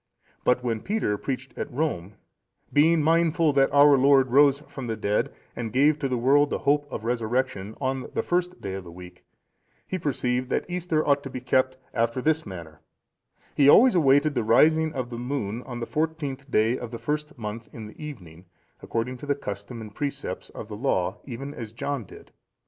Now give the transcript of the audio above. But when Peter preached at Rome, being mindful that our Lord arose from the dead, and gave to the world the hope of resurrection, on the first day of the week, he perceived that Easter ought to be kept after this manner: he always awaited the rising of the moon on the fourteenth day of the first month in the evening, according to the custom and precepts of the Law, even as John did.